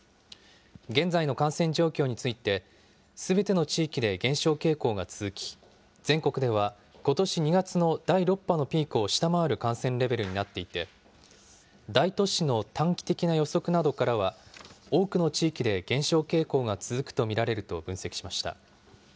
現在の感染状況について、すべての地域で減少傾向が続き、全国ではことし２月の第６波のピークを下回る感染レベルになっていて、大都市の短期的な予測などからは、多くの地域で減少傾向が続くと見られると分析しました。